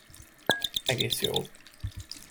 Egész jól.